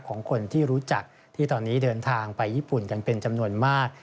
ของคนที่รู้จักที่ตอนนี้เดินทางไปญี่ปุ่นกันเป็นจำนวนมาก